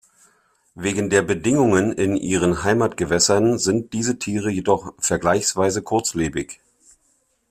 Wegen der Bedingungen in ihren Heimatgewässern sind diese Tiere jedoch vergleichsweise kurzlebig.